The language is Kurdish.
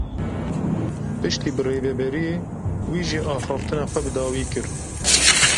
Piştî birêveberiyê, wî jî axaftina xwe bi dawî kir.